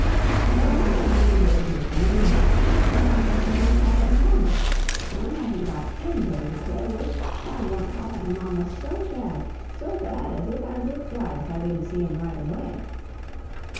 "Well, I don't b'leeve they could make ME happy, when I wanted to see my papa an' mamma. When I haven't got anybody to play with, then I want papa an' mamma SO bad so bad as if I would die if I didn't see 'em right away."